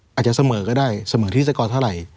อาจจะเสมอก็ได้เสมอที่สกอร์เท่าไหร่